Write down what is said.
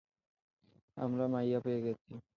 আমরা মাইয়া পেয়ে গেছি।